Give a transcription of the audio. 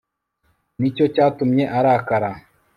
nicyo cyatumye arakara